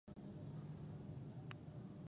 نو دلته ساده خبره دا ده